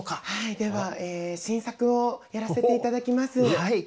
では新作をやらせて頂きます。